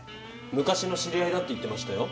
昔の知り合いだって言ってましたよ。